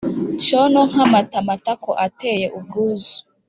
Cyono nkamata matako ateye ubwuzu!